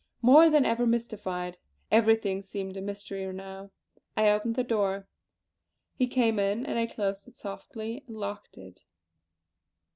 More than ever mystified everything seemed a mystery now I opened the door. He came in and I closed it softly and locked it.